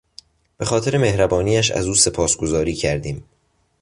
به خاطر مهربانیاش از او سپاسگزاری کردیم.